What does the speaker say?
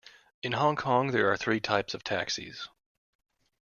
In Hong Kong, there are three types of taxis.